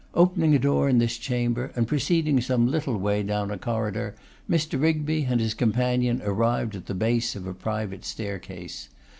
Opening a door in this chamber, and proceeding some little way down a corridor, Mr. Rigby and his companion arrived at the base of a private staircase.